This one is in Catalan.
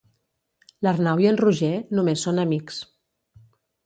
L'Arnau i en Roger només són amics.